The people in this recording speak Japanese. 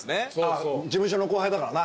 事務所の後輩だからな。